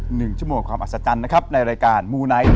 หนึ่งชั่วโมงความอัศจรรย์นะครับในรายการมูไนท์